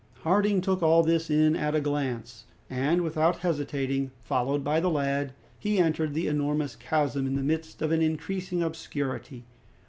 Harding took all this in at a glance, and without hesitating, followed by the lad, he entered the enormous chasm in the midst of an increasing obscurity.